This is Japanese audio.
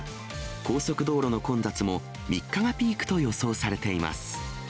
高速道路の混雑も３日がピークと予想されています。